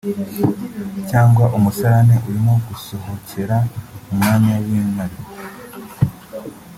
cyangwa umusarane urimo gusohokera mu mwanya w’inkari